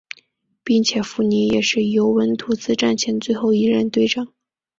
并且福尼也是尤文图斯战前最后一任队长。